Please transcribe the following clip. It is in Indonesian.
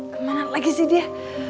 kemana lagi sih dia